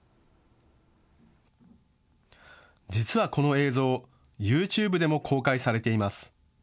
実はこの映像ＹｏｕＴｕｂｅでも公開されています。